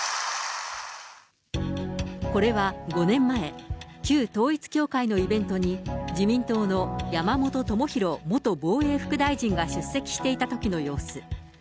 これは５年前、旧統一教会のイベントに、自民党の山本朋広元防衛副大臣が出席していたときの様子。